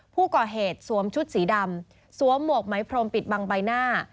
ผู้ก่อเหตุสวมชุดสีดำสวมหมวกไหมพรมปิดบังใบหน้า